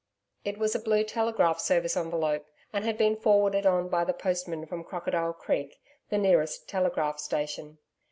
It was a blue telegraph service envelope, and had been forwarded on by the postman from Crocodile Creek, the nearest telegraph station.